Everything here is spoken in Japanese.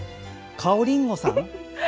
かおりんごさん？